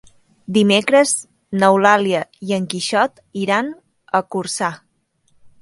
Dimecres n'Eulàlia i en Quixot iran a Corçà.